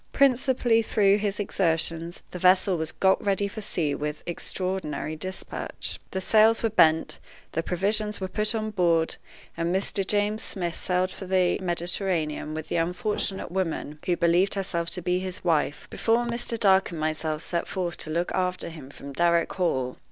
Principally through his exertions, the vessel was got ready for sea with extraordinary dispatch. The sails were bent, the provisions were put on board, and Mr. James Smith sailed for the Mediterranean with the unfortunate woman who believed herself to be his wife, before Mr. Dark and myself set forth to look after him from Darrock Hall.